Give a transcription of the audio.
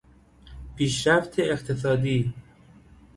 پیشرفت اقتصادی